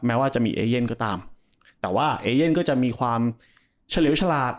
ว่าจะมีเอเย่นก็ตามแต่ว่าเอเย่นก็จะมีความเฉลวฉลาด